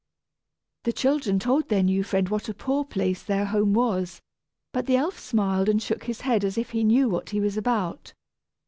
The children told their new friend what a poor place their home was, but the elf smiled and shook his head as if he knew what he was about.